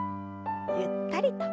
ゆったりと。